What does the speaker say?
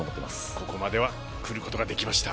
ここまでは来ることができました。